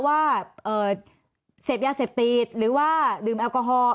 ว่าเสพยาเสพติดหรือว่าดื่มแอลกอฮอล์